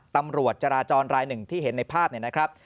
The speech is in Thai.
ตำรวจจราจรรายหนึ่งที่เห็นในภาพเนี่ยนะครับ